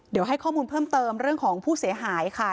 เดี๋ยวให้ข้อมูลเพิ่มเติมเรื่องของผู้เสียหายค่ะ